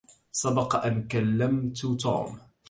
سبق أن كلمت توم.